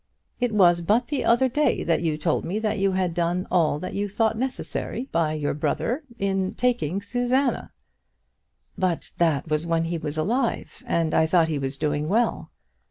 It was but the other day that you told me you had done all that you thought necessary by your brother in taking Susanna." "But that was when he was alive, and I thought he was doing well."